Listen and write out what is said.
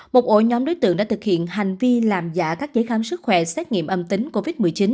một ổ nhóm đối tượng đã thực hiện hành vi làm giả các giấy khám sức khỏe xét nghiệm âm tính covid một mươi chín